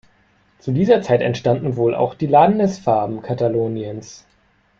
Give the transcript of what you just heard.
Zu dieser Zeit entstanden wohl auch die Landesfarben Kataloniens.